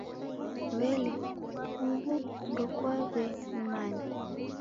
W'ele, huw'u ndokwaw'enimanya?